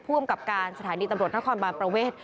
อำกับการสถานีตำรวจนครบานประเวท